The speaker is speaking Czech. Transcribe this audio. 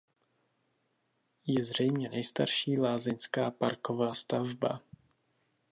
Je to zřejmě nejstarší lázeňská parková stavba.